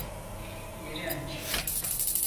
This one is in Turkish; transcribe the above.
İğrenç.